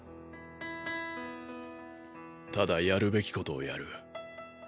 ただやるべきことをやる。